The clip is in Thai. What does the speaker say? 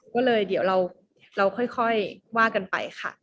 ก็เลยเดี๋ยวเราค่อยว่ากันไปค่ะ